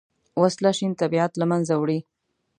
وسله شین طبیعت له منځه وړي